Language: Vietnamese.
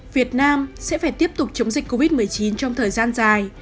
việt nam sẽ phải tiếp tục chống dịch covid một mươi chín trong thời gian dài